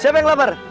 siapa yang lapar